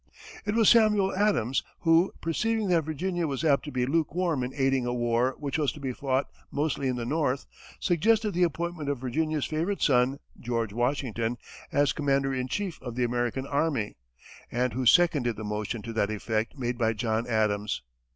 It was Samuel Adams who, perceiving that Virginia was apt to be lukewarm in aiding a war which was to be fought mostly in the North, suggested the appointment of Virginia's favorite son, George Washington, as commander in chief of the American army, and who seconded the motion to that effect made by John Adams.